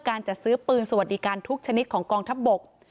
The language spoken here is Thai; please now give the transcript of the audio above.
การจัดซื้อปืนสวัสดิการทุกชนิดของกองทัพบก